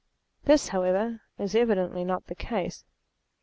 This, however, is evidently the case.